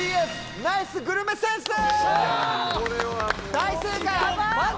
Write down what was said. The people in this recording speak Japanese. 大正解！